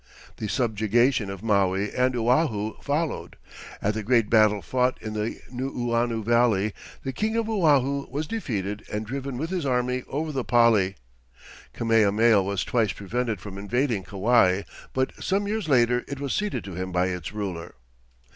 The subjugation of Maui and Oahu followed. At the great battle fought in the Nuuanu Valley, the king of Oahu was defeated and driven with his army over the Pali. Kamehameha was twice prevented from invading Kauai, but some years later it was ceded to him by its ruler.